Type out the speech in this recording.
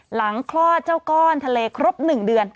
คลอดเจ้าก้อนทะเลครบ๑เดือน